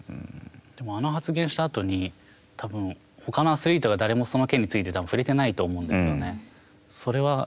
でも、あの発言をしたあとに、たぶん、ほかのアスリートは誰もその件について触れてないと思うんですよね。